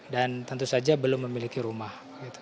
dan tentu saja belum memiliki rumah